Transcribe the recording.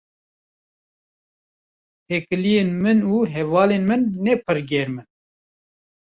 Têkiliyên min û hevalên min ne pir germ in.